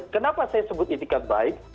kenapa saya sebut itikat baik